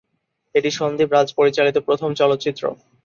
এটি সন্দীপ রাজ পরিচালিত প্রথম চলচ্চিত্র।